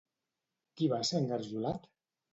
Qui va ser engarjolat?